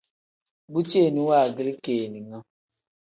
Bu ceeni wangilii keninga.